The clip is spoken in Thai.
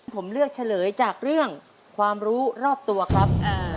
ผมเลือกเฉลยจากเรื่องความรู้รอบตัวครับ